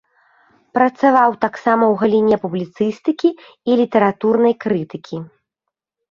Працаваў таксама ў галіне публіцыстыкі і літаратурнай крытыкі.